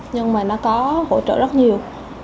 nhưng mà nó có hỗ trợ rất nhiều